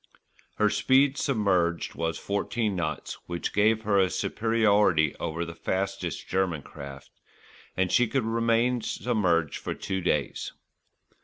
Her speed submerged was fourteen knots, which gave her a superiority over the fastest German craft, and she could remain submerged for two days.